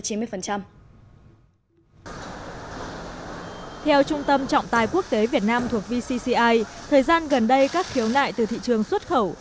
theo trung tâm trọng tài quốc tế việt nam thuộc vcci thời gian gần đây các khiếu nại từ thị trường xuất khẩu